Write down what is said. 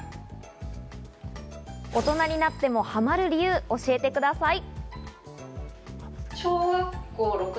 大人になってもハマる理由を教えてください。